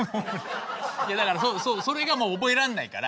いやだからそれが覚えらんないから。